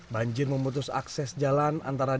banjir memutus akses jalan antara desa serta mabuk